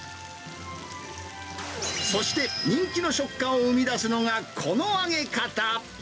そして、人気の食感を生み出すのがこの揚げ方。